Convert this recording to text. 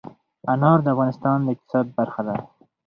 انار د افغانستان د اقتصاد برخه ده.